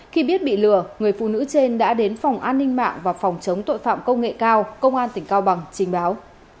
khi biết bị lừa người phụ nữ trên đã đến phòng an ninh mạng và phòng chống tội phạm công nghệ cao công an tỉnh cao bằng trình báo